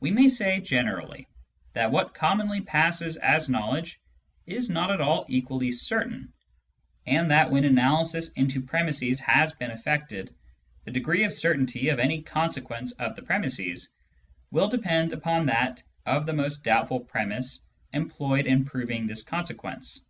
We may say, generally, that what commonly passes as knowledge js not all equally certain, and that, when analysis into premisses has been eflFected, the degree of certainty of any consequence of the premisses will depend upon that of the most doubtful premiss employed in proving this consequence.